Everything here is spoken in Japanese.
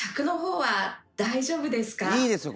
いいですよ